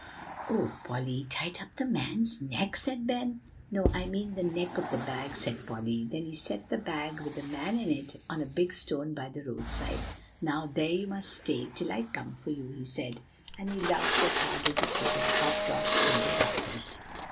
"O Polly! tied up the man's neck?" asked Ben. "No, I mean the neck of the bag," said Polly. "Then he set the bag, with the man in it, on a big stone by the roadside. 'Now, there you must stay, till I come for you,' he said; and he laughed as hard as he could, and hopped off in the darkness."